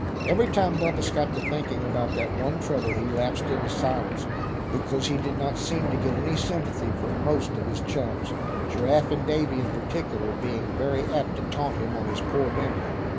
Every time Bumpus got to thinking about that one trouble he lapsed into silence, because he did not seem to get any sympathy from most of his chums; Giraffe and Davy in particular being very apt to taunt him on his poor memory.